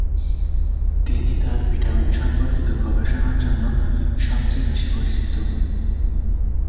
তিনি তার ভিটামিন সম্পর্কিত গবেষণার জন্য সবচেয়ে বেশি পরিচিত।